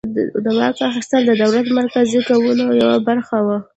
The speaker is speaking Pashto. د واک اخیستل د دولت مرکزي کولو یوه برخه وه.